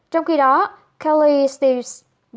trong khi đó kelly stevenson